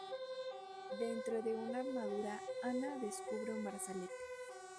Dentro de una armadura, Anna descubre un brazalete.